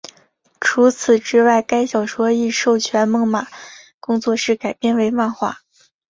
除此之外该小说亦授权梦马工作室改编为漫画。